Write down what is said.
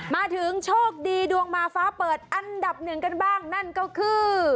มาถึงโชคดีดวงมาฟ้าเปิดอันดับหนึ่งกันบ้างนั่นก็คือ